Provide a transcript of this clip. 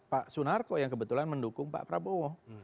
pak sunarko yang kebetulan mendukung pak prabowo